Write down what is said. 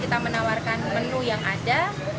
kita menawarkan menu yang ada